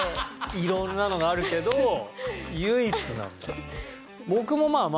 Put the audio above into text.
色んなのがあるけど唯一なんだ。